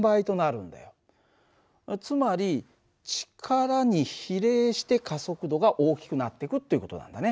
つまり力に比例して加速度が大きくなってくっていう事なんだね。